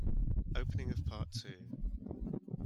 Opening of Part Two.